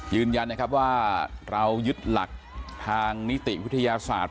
ยืนยันนะครับว่าเรายึดหลักทางนิติวิทยาศาสตร์